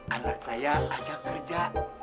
anak saya aja kerja